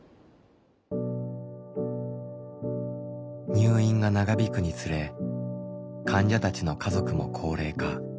入院が長引くにつれ患者たちの家族も高齢化。